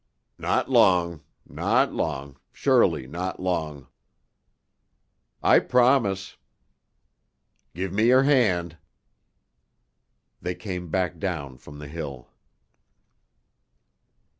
"Not long. Not long. Surely not long." "I promise." "Give me your hand." They came back down from the hill.